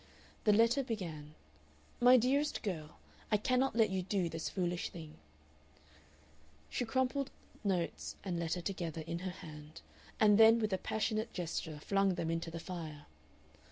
The letter began: "MY DEAREST GIRL, I cannot let you do this foolish thing " She crumpled notes and letter together in her hand, and then with a passionate gesture flung them into the fire.